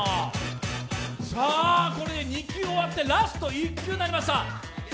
これで２球終わってラスト１球になりました。